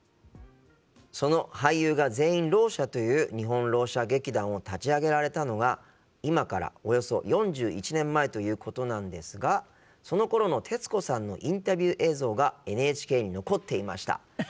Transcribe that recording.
その俳優が全員ろう者という日本ろう者劇団を立ち上げられたのが今からおよそ４１年前ということなんですがそのころの徹子さんのインタビュー映像がＮＨＫに残っていました。